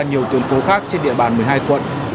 nhiều tuyến phố khác trên địa bàn một mươi hai quận